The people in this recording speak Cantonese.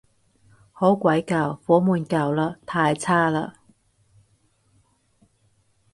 好鬼舊，房門舊嘞，太差嘞